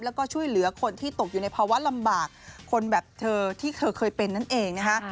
แล้วก็ช่วยเหลือคนที่ตกอยู่ในภาวะลำบากคนแบบเธอที่เธอเคยเป็นนั่นเองนะคะ